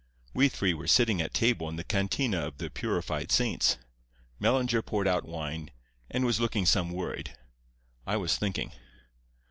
"We three were sitting at table in the cantina of the Purified Saints. Mellinger poured out wine, and was looking some worried; I was thinking.